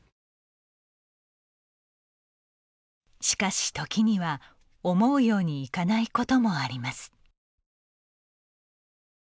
しかし、時には思うようにいかないこともあります。